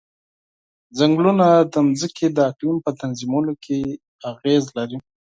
ځنګلونه د ځمکې د اقلیم په تنظیمولو کې اغیز لري.